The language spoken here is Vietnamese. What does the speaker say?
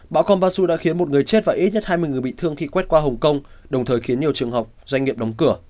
bão kon basu đã khiến một người chết và ít nhất hai mươi người bị thương khi quét qua hồng kông đồng thời khiến nhiều trường học doanh nghiệp đóng cửa